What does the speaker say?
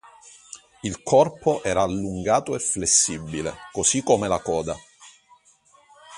Il corpo era allungato e flessibile, così come la coda.